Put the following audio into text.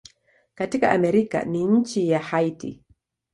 Katika Amerika ni nchi ya Haiti.